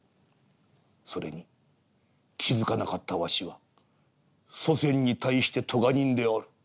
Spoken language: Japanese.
それに気付かなかったわしは祖先に対して咎人である。